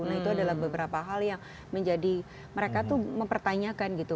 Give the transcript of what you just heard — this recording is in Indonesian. nah itu adalah beberapa hal yang menjadi mereka tuh mempertanyakan gitu